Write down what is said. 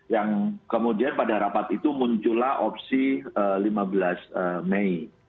yang kemudian pada rapat itu muncullah opsi lima belas mei